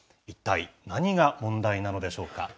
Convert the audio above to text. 一体、何が問題なのでしょうか。